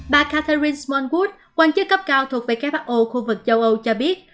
bà catherine smondwood quan chức cấp cao thuộc who khu vực châu âu cho biết